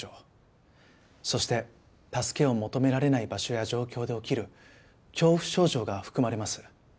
そして助けを求められない場所や状況で起きる恐怖症状が含まれます。